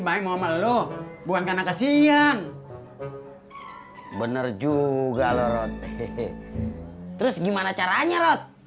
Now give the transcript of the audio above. baik mau melo bukan karena kesian bener juga loh roti terus gimana caranya roti